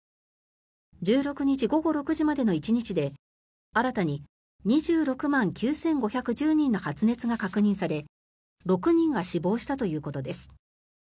１６日午後６時までの１日で新たに２６万９５１０人の発熱が確認され６人が死亡したということです。